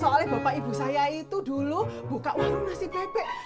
soalnya bapak ibu saya itu dulu buka warung nasi bebek